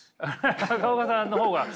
中岡さんの方が。